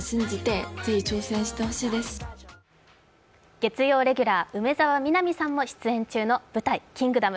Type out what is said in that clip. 月曜レギュラー、梅澤美波さんも出演する舞台「キングダム」